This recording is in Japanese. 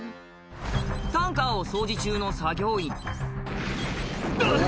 タンカーを掃除中の作業員「わっ！